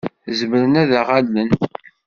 Zemren ad aɣ-allen?